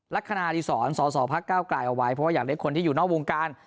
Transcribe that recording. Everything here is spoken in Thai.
ลักษณานีสอนสสพกกลายเอาไว้เพราะว่าอยากได้คนที่อยู่นอกวงการ